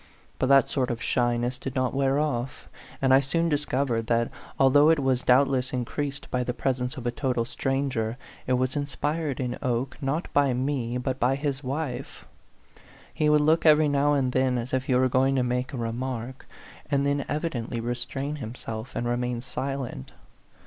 But that sort of shyness did not wear off; and I soon discovered that, although it was doubt less increased by the presence of a total stranger, it was inspired in Oke, not by me, but by his wife. He would look every now and then as if he were going to make a re mark, and then evidently restrain himself, and remain silent.